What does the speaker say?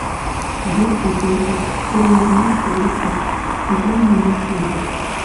Йырже пӧрдыт, тӱрлыжымат йодыштыт, пырля модаш ӱжыт.